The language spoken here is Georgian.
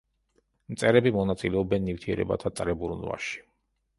მწერები მონაწილეობენ ნივთიერებათა წრებრუნვაში.